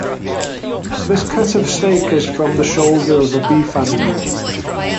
This cut of steak is from the shoulder of a beef animal.